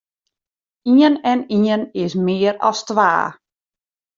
Ien en ien is mear as twa.